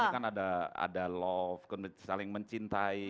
ini kan ada love saling mencintai